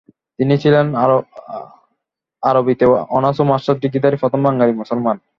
তিনি ছিলেন আরবিতে অনার্স ও মাস্টার্স ডিগ্রিধারী প্রথম বাঙালি মুসলমান।